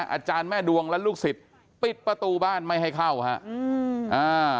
อาจารย์แม่ดวงและลูกศิษย์ปิดประตูบ้านไม่ให้เข้าฮะอืมอ่า